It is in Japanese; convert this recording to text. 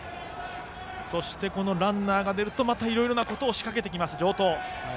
そしてランナーが出るとまたいろいろなことを仕掛けてくる城東。